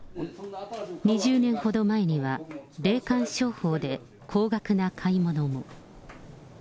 ２０年ほど前には、霊感商法で高額な買い物も。